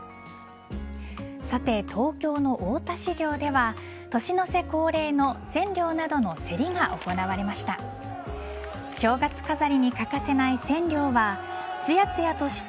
さて、東京の大田市場では年の瀬恒例のセンリョウなどの競りが行われました。